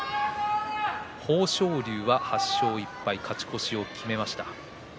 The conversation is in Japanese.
豊昇龍は８勝１敗勝ち越しを決めました。